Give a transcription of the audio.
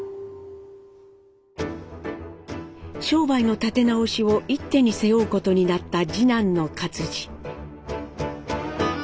商売の立て直しを一手に背負うことになった次男の克爾。